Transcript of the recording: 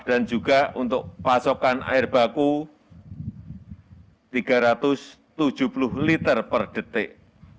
dan juga untuk pasokan air baku tiga ratus tujuh puluh liter per detik